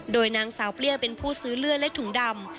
โดยนางสาวเปรี้ยวเป็นผู้ซื้อเลือดและถุงดำ